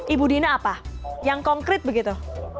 ibu dina apa yang konkret begitu